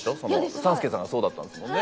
３助さんがそうだったんですもんね。